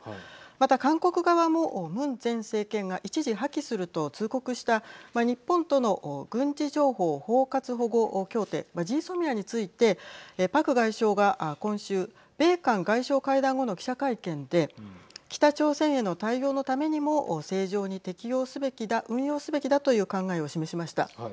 また韓国側もムン前政権が一時破棄すると通告した日本との軍事情報包括保護協定＝ＧＳＯＭＩＡについてパク外相が今週米韓外相会談後の記者会見で北朝鮮への対応のためにも正常に適用すべきだ運用すべきだという考えを示しました。